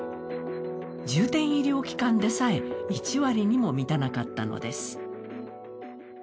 重点医療機関でさえ１割にも満たなかったのです。